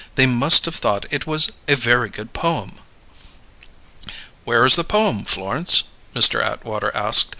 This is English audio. They must have thought it was a very good poem." "Where is the poem, Florence?" Mr. Atwater asked.